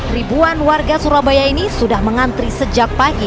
ribuan warga surabaya ini sudah mengantri sejak pagi